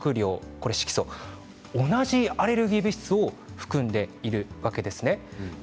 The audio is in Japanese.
この色素同じアレルギー物質を含んでいるわけですね。